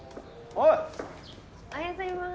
おはようございます。